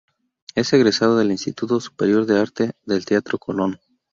Es egresado del Instituto Superior de Arte del Teatro Colón.